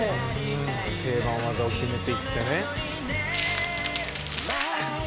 定番技を決めていってね。